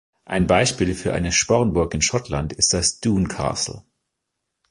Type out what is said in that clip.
Ein Beispiel für eine Spornburg in Schottland ist das Doune Castle.